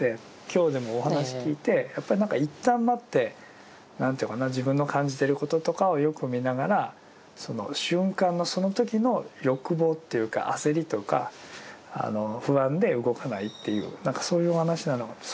今日でもお話聞いてやっぱりいったん待って何ていうかな自分の感じてることとかをよく見ながらその瞬間のその時の欲望というか焦りとか不安で動かないという何かそういうお話なのかと。